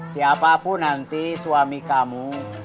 siapapun nanti suami kamu